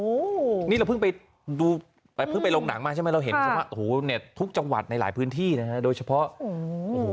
โอ้โฮนี่เราเพิ่งไปลงหนังมาใช่ไหมลองเห็นทุกจังหวัดในหลายพื้นที่นะครับโดยเฉพาะโอ้โฮ